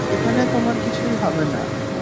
এখানে তোমার কিছুই হবে না।